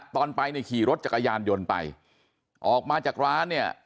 ตอนไปเนี่ยขี่รถจักรยานยนต์ไปออกมาจากร้านเนี่ย